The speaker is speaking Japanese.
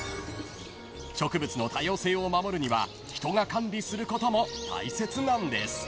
［植物の多様性を守るには人が管理することも大切なんです］